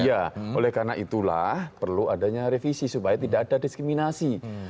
iya oleh karena itulah perlu adanya revisi supaya tidak ada diskriminasi